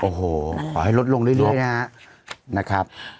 โอ้โหขอให้ลดลงเรื่อยนะครับ